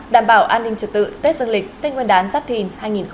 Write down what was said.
đảm bảo an ninh trật tự tết dương lịch tết nguyên đán giáp thìn hai nghìn hai mươi bốn